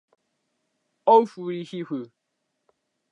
ahfuhiu